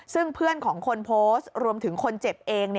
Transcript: ซึ่งเพื่อนของคนโพสต์รวมถึงคนเจ็บเอง